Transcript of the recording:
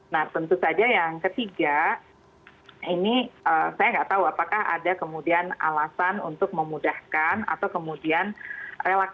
nah tentu saja yang ketiga ini saya nggak tahu apakah ada kemudian alasan untuk memudahkan atau kemudian relaksana